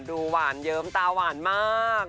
หวานเยิ้มตาหวานมาก